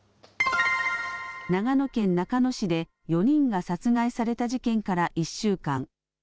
長野県中野市で４人が殺害された事件から１週間。